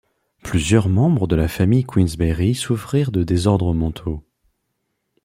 Plusieurs membres de la famille Queensberry souffrirent de désordres mentaux.